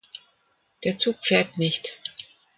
Der Zug fährt nicht.